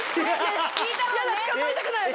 嫌だ捕まりたくない私。